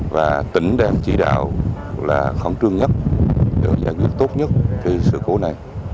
và tỉnh đang chỉ đạo là khẩn trương nhất để giải quyết tốt nhất cái sự cố này